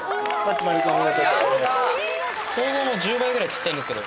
想像の１０倍ぐらいちっちゃいんですけど。